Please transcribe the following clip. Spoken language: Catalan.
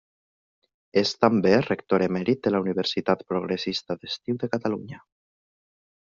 És també rector emèrit de la Universitat Progressista d'Estiu de Catalunya.